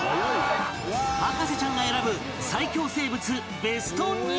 博士ちゃんが選ぶ最恐生物ベスト２０。